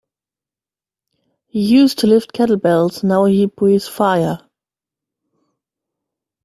He used to lift kettlebells now he breathes fire.